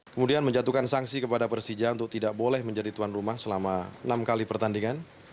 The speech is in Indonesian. kemudian menjatuhkan sanksi kepada persija untuk tidak boleh menjadi tuan rumah selama enam kali pertandingan